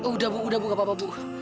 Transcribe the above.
udah bu udah bu nggak apa apa bu